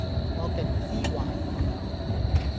我極之懷疑